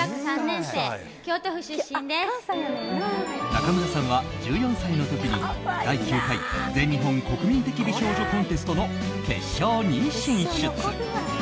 中村さんは１４歳の時に第９回全日本国民的美少女コンテストの決勝に進出。